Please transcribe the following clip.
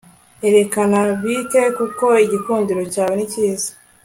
erekana bike gusa igikundiro cyawe ni cyiza